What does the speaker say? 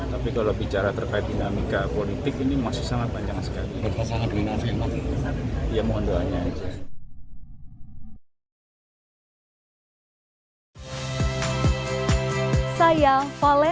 tapi kalau bicara terkait dinamika politik ini masih sangat panjang sekali